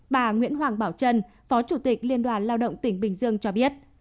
bà nguyễn hoàng bảo trân phó chủ tịch liên đoàn lao động tỉnh bình dương cho biết